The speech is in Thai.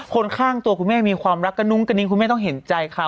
คนข้างตัวคุณแม่มีความรักกระนุ้งกระนิ้งคุณแม่ต้องเห็นใจเขา